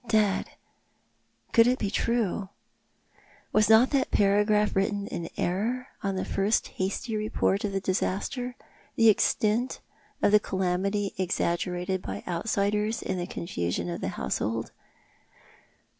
Dead! Could it be true? Was not that paragraph written m error, on the first hasty report of the disaster, the extent of the calamity exaggerated by outsiders in the confusion of the household?